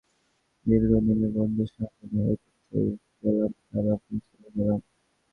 আমার একজন সহকর্মী কাম দীর্ঘদিনের বন্ধুর সঙ্গে দেখা করতে গেলাম তার অফিসে গেলাম।